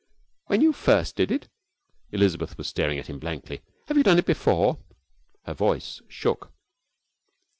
'When you first did it?' Elizabeth was staring at him blankly. 'Have you done it before?' Her voice shook.